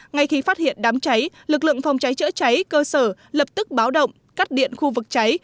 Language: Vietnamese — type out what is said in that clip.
ngay khi phát hiện đám cháy lực lượng phòng cháy chữa cháy cơ sở lập tức báo động cắt điện khu vực cháy